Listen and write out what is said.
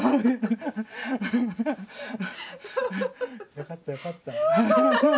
よかったよかった。